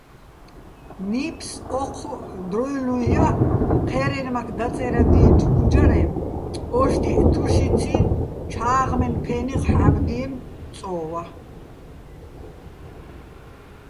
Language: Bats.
ნიფს ო́ჴუჸ დროჲლუჼ და ჴე́რენმაქ დაწე́რადიენჩო̆ გუჯარე ო́შტიჸ "თუში-ციჼ" "ჩა́ღმენო̆" ფე́ნიხ ჰ̦ა́ბდიენო̆ "წოვა".